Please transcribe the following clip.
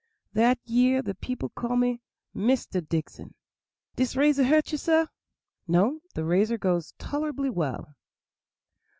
That year the people call me 'Mr. Dickson.' Dis razor hurt you, sah?" "No, the razor goes tolerably well."